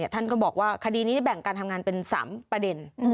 ท่านก็บอกว่าคดีนี้แบ่งการทำงานเป็น๓ประเด็น